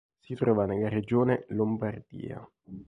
Si trova nella regione Lombardia.